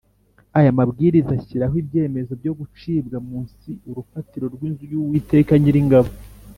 Aya Mabwiriza ashyiraho ibyemezo byo gucibwa munsi urufatiro rw inzu y Uwiteka Nyiringabo